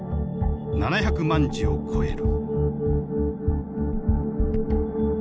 ７００万字を超える。